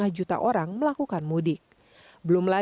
yang menempatkan kemampuan untuk berpindah ke rumah